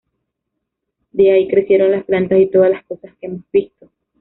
De ahí crecieron las plantas y todas las cosas que hemos visto.